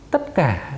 tất cả các cái quy định